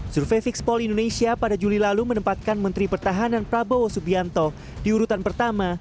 survei fixpol indonesia pada juli lalu menempatkan menteri pertahanan prabowo subianto di urutan pertama